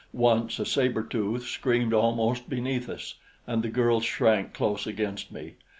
Once a saber tooth screamed almost beneath us, and the girl shrank close against me.